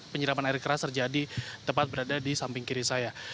penyiraman air keras terjadi tepat berada di samping kiri saya